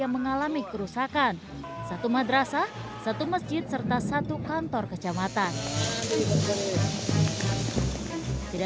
angin puting beliung di sebuah kapal